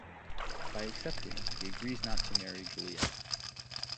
By accepting, he agrees not to marry Giulietta.